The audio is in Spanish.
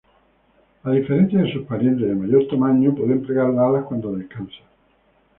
A diferencia de sus parientes de mayor tamaño, pueden plegar las alas cuando descansan.